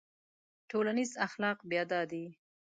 ټولنیز اخلاق بیا دا دي.